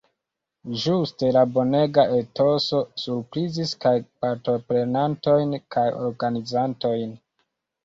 Ĝuste la bonega etoso surprizis kaj partoprenantojn kaj organizantojn.